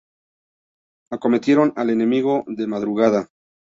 Acometieron al enemigo de madrugada.